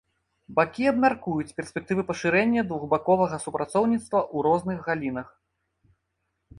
Бакі абмяркуюць перспектывы пашырэння двухбаковага супрацоўніцтва ў розных галінах.